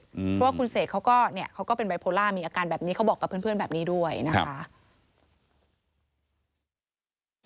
เพราะว่าคุณเสกเขาก็เนี่ยเขาก็เป็นไบโพล่ามีอาการแบบนี้เขาบอกกับเพื่อนแบบนี้ด้วยนะคะ